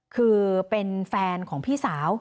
คือเป็นแฟนของพี่สาว